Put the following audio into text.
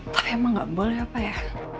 pak emang gak boleh apa ya